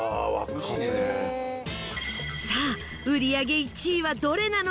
さあ売り上げ１位はどれなのか？